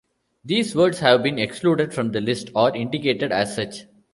These words have been excluded from the list, or indicated as such.